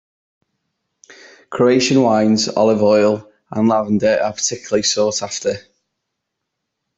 Croatian wines, olive oil and lavender are particularly sought after.